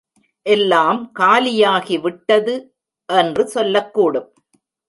எல்லாம் காலியாகிவிட்டது! என்று சொல்லக்கூடும்.